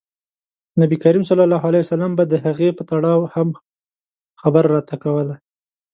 نبي کریم ص به د هغې په تړاو هم خبره راته کوله.